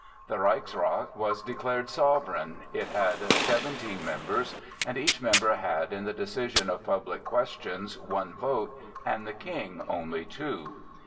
The Reichsrath was declared sovereign; it had seventeen members, and each member had, in the decision of public questions, one vote, and the King only two.